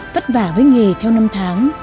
vất vả với nghề theo năm tháng